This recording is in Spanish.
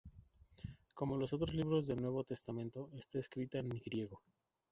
Como los otros libros del Nuevo Testamento, está escrita en griego.